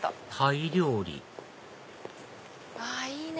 タイ料理あいいね！